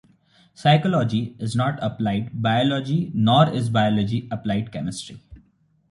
Psychology is not applied biology nor is biology applied chemistry.